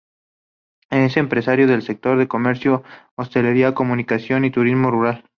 Es empresario del sector del comercio, hostelería, comunicación y turismo rural.